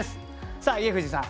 さあ家藤さん